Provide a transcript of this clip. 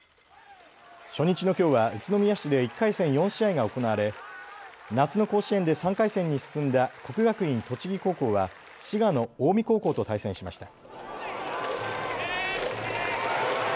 初日のきょうは宇都宮市で１回戦４試合が行われ夏の甲子園で３回戦に進んだ国学院栃木高校は滋賀の近江高校と対戦しました。